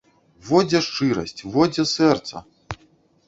Во дзе шчырасць, во дзе сэрца!